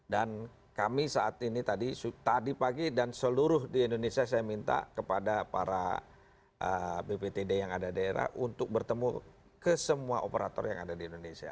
dan kami saat ini tadi pagi dan seluruh di indonesia saya minta kepada para bptd yang ada di daerah untuk bertemu ke semua operator yang ada di indonesia